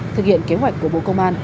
thực hiện kế hoạch của bộ công an